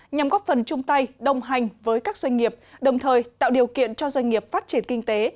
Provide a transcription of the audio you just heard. nhằm góp phần chung tay đồng hành với các doanh nghiệp đồng thời tạo điều kiện cho doanh nghiệp phát triển kinh tế